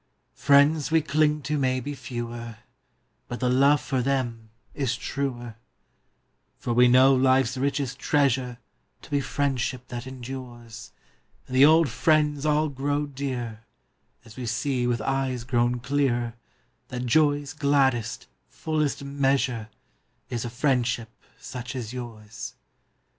Is a F riends xv)e clinq to mau be fe^Oer, But the loOe jor them is truer; fbr \Oe know life s richest treasure To be friendship that em dures, And the old jriends all qroxO dearer & As vOe see \oith eues qro\On clearer That joq's gladdest, fullest measure ' Is a friendship such as Ljours.